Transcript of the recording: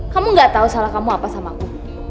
kamu gak tahu salah kamu apa sama aku